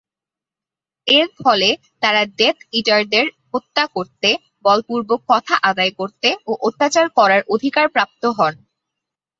এর ফলে তারা ডেথ ইটারদের হত্যা করতে, বলপূর্বক কথা আদায় করতে ও অত্যাচার করার অধিকার প্রাপ্ত হন।